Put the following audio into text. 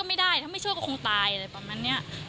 อะไรประมาณเนี้ย